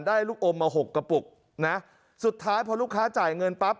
ลูกอมมาหกกระปุกนะสุดท้ายพอลูกค้าจ่ายเงินปั๊บ